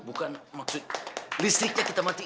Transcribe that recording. bukan maksud listriknya kita matiin